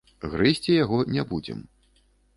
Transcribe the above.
Грызці яго не будзем.